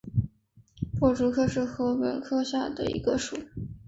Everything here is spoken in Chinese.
薄竹属是禾本科下的一个属。